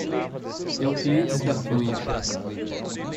Euclides da Cunha